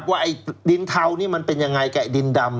ว่าไอ้ดินเทานี่มันเป็นยังไงกับดินดำ